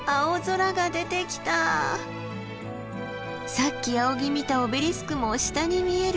さっき仰ぎ見たオベリスクも下に見える。